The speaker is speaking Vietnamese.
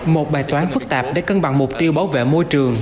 một bài toán phức tạp để cân bằng mục tiêu bảo vệ môi trường